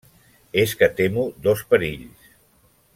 -És que temo dos perills.